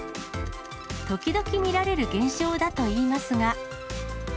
ときどき見られる現象だといいますが。